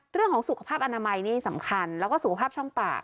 เรื่องของสุขภาพอนามัยนี่สำคัญแล้วก็สุขภาพช่องปาก